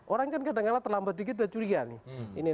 orang kan kadangkala terlambat sedikit sudah curiga nih